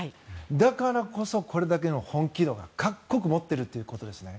だからこそ、これだけの本気度が各国持ってるということですね。